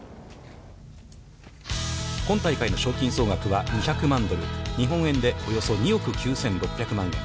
今大会の賞金総額は２００万ドル、日本円にして２億９６００万円。